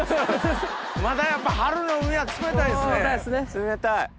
冷たい。